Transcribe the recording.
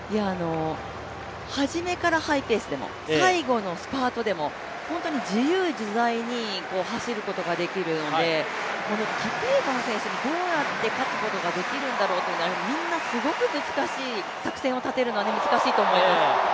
初めからハイペースでも、最後のスパートでも本当に自由自在に走ることができるのでキピエゴン選手にどうやって勝つことができるんだろうと、作戦を立てるのはすごく難しいと思います。